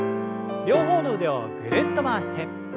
両方の腕をぐるっと回して。